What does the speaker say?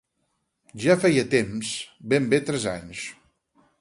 Ja feia temps, ben bé tres anys.